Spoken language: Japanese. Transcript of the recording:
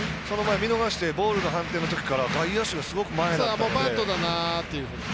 見逃してボールの判定のときから外野手がすごく前だったので。